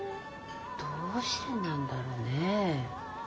どうしてなんだろうね？